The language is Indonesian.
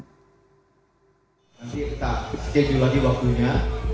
nanti kita schedu lagi waktunya